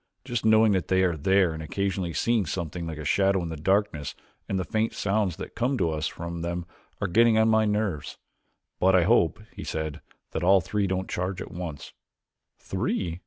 Just knowing that they are there and occasionally seeing something like a shadow in the darkness and the faint sounds that come to us from them are getting on my nerves. But I hope," he said, "that all three don't charge at once." "Three?"